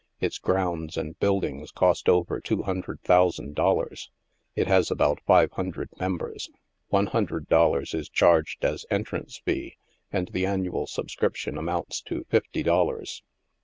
Its grounds and buildings cost over $200,000. It has about five hundred members. One hundred dol lars is charged as entrance fee, and the annual subscription amounts to fifty dollars.